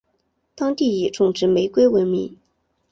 当地以种植玫瑰闻名。